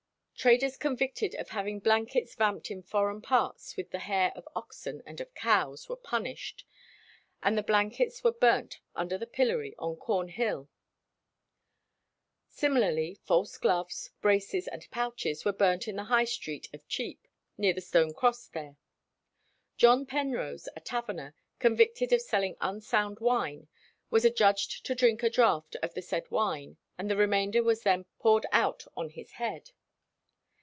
Traders convicted of having blankets vamped in foreign parts with the hair of oxen and of cows were punished, and the blankets were burnt under the pillory on Cornhill. Similarly, false gloves, braces, and pouches were burnt in the High Street of Chepe near the stone cross there. John Penrose, a taverner, convicted of selling unsound wine, was adjudged to drink a draught of the said wine, and the remainder was then poured out on his head.